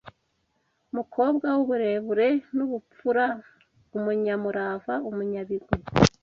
mukobwa w’uburere n’ubupfura, umunyamurava, umunyabigwi